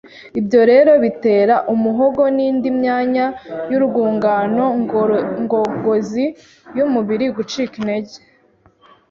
Ibyo rero bitera umuhogo n’indi myanya y’urwungano ngogozi y’umubiri gucika intege.